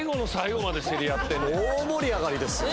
大盛り上がりですよ。